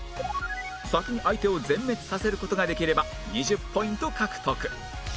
先に相手を全滅させる事ができれば２０ポイント獲得